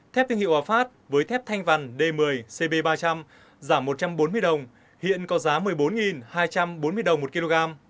thép tương hiệu hòa phát với thép thanh vằn d một mươi cb ba trăm linh giảm một trăm bốn mươi đồng hiện có giá một mươi bốn hai trăm bốn mươi đồng một kg